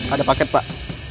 ada paket pak